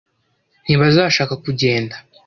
ntibazashaka kugenda